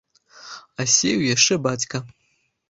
А сеяў яшчэ бацька.